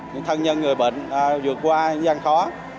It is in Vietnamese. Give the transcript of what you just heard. những thân nhân người bệnh vượt qua những gian khó